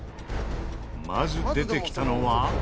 まず出てきたのは。